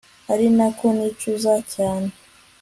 ari na ko nicuza cyane